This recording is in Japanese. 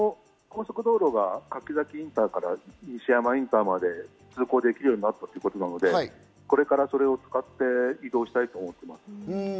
高速道路が柏崎インターから西山インターまで通行できるようになったということなので、これから、それを使って移動したいと思います。